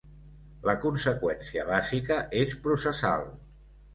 La conseqüència bàsica és processal.